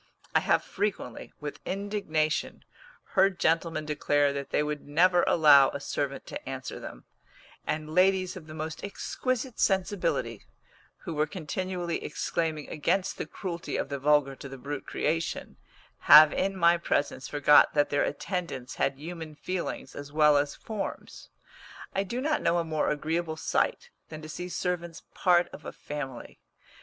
I have frequently, with indignation, heard gentlemen declare that they would never allow a servant to answer them; and ladies of the most exquisite sensibility, who were continually exclaiming against the cruelty of the vulgar to the brute creation, have in my presence forgot that their attendants had human feelings as well as forms. I do not know a more agreeable sight than to see servants part of a family.